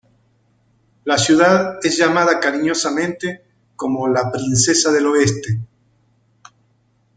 La ciudad es llamada cariñosamente como la "Princesa del Oeste".